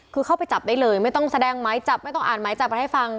คือเข้าไปจับได้เลยไม่ต้องแสดงหมายจับไม่ต้องอ่านหมายจับอะไรให้ฟัง